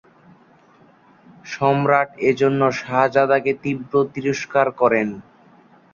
সম্রাট এজন্য শাহজাদাকে তীব্রভাবে তিরস্কার করেন।